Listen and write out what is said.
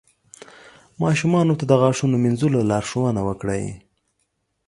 ماشومانو ته د غاښونو مینځلو لارښوونه وکړئ.